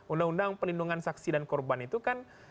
undang undang perlindungan saksi dan korban itu kan